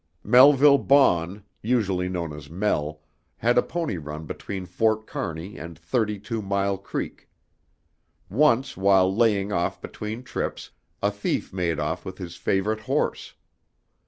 Melville Baughn, usually known as "Mel," had a pony run between Fort Kearney and Thirty two mile Creek. Once while "laying off" between trips, a thief made off with his favorite horse.